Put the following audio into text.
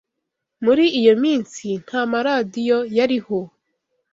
Muri iyo minsi nta maradiyo yariho.